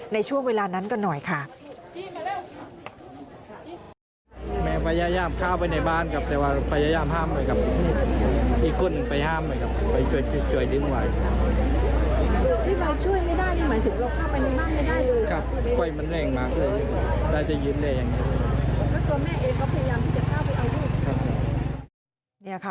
ในช่วงเวลานั้นกันหน่อยค่ะ